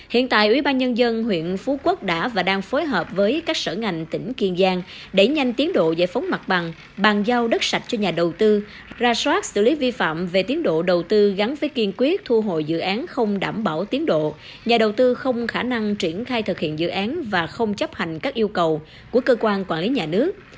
hiện tại ubnd huyện phú quốc đã và đang phối hợp với các sở ngành tỉnh kiên giang để nhanh tiến độ giải phóng mặt bằng bàn giao đất sạch cho nhà đầu tư ra soát xử lý vi phạm về tiến độ đầu tư gắn với kiên quyết thu hồi dự án không đảm bảo tiến độ nhà đầu tư không khả năng triển khai thực hiện dự án và không chấp hành các yêu cầu của cơ quan quản lý nhà nước